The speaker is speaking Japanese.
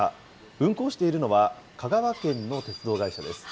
運行しているのは、香川県の鉄道会社です。